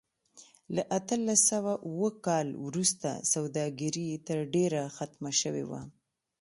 له اتلس سوه اووه کال وروسته سوداګري تر ډېره ختمه شوې وه.